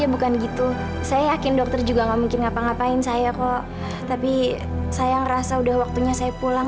bukan darah tapi buktinya apa